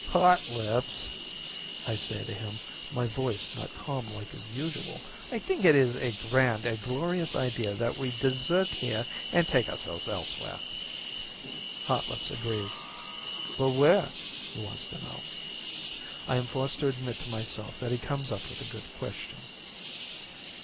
"Hotlips," I say to him, my voice not calm like is usual, "I think it is a grand and glorious idea that we desert here and take ourselves elsewhere." Hotlips agrees. "But where?" he wants to know. I am forced to admit to myself that he comes up with a good question.